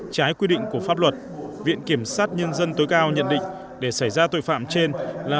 trái quy định của pháp luật viện kiểm sát nhân dân tối cao nhận định để xảy ra tội phạm trên là